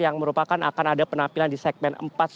yang merupakan akan ada penampilan di segmen empat